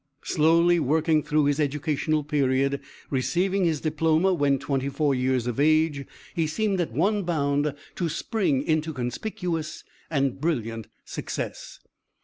Slowly working through his educational period, receiving his diploma when twenty four years of age, he seemed at one bound to spring into conspicuous and brilliant success.